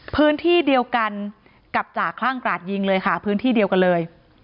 พื้นที่เดียวกันกับจ่าคลั่งกราดยิงเลยค่ะพื้นที่เดียวกันเลย